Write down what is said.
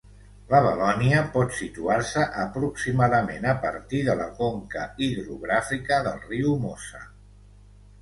La Valònia pot situar-se aproximadament a partir de la conca hidrogràfica del riu Mosa.